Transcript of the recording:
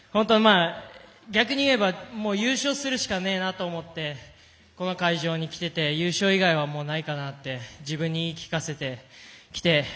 逆に言えば、もう優勝するしかねえなと思ってこの会場に来てて優勝以外はもう、ないかなって自分に言い聞かせてきて。